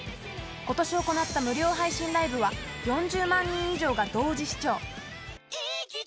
今年行った無料配信ライブは４０万人以上が同時視聴。